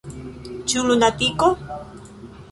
Ĉu lunatiko?